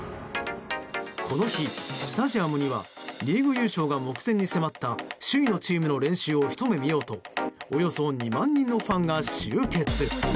この日、スタジアムにはリーグ優勝が目前に迫った首位のチームの練習をひと目見ようとおよそ２万人のファンが集結。